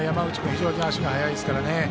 非常に足が速いですからね。